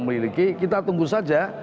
miliki kita tunggu saja